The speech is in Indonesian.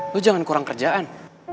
lo jangan kurang kerjaan